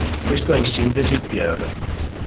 Questo è in sintesi il Pr.